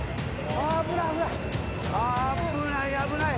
危ない危ない！